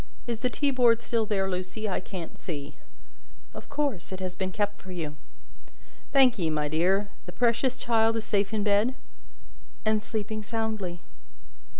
Is the teaboard still there, Lucie? I can't see." "Of course, it has been kept for you." "Thank ye, my dear. The precious child is safe in bed?" "And sleeping soundly."